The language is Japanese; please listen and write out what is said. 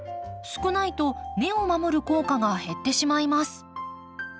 少ないと根を守る効果が減ってしまいます。